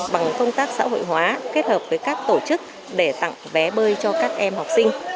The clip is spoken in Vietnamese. bằng công tác xã hội hóa kết hợp với các tổ chức để tặng vé bơi cho các em học sinh